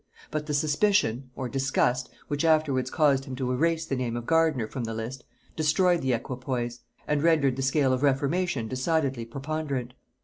But the suspicion, or disgust, which afterwards caused him to erase the name of Gardiner from the list, destroyed the equipoise, and rendered the scale of reformation decidedly preponderant.